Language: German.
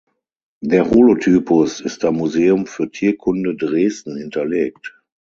Der Holotypus ist am Museum für Tierkunde Dresden hinterlegt.